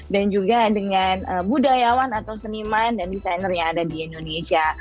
dan juga dengan budayawan atau seniman dan desainer yang ada di indonesia